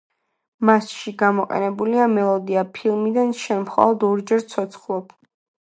მასში გამოყენებულია მელოდია ფილმიდან „შენ მხოლოდ ორჯერ ცოცხლობ“.